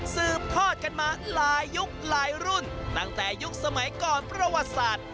ซื้อพลอยกหลายรุ่นตั้งแต่ยุคสมัยก่อนพระวัติศาสตร์